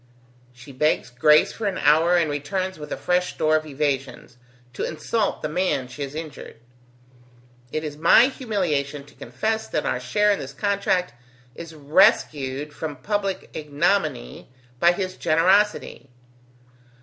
She begs grace for an hour, and returns with a fresh store of evasions, to insult the man she has injured. It is my humiliation to confess that our share in this contract is rescued from public ignominy by his generosity.